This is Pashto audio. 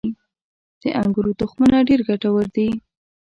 • د انګورو تخمونه ډېر ګټور دي.